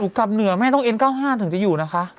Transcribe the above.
กลับเหนือแม่ต้องเอ็น๙๕ถึงจะอยู่นะคะ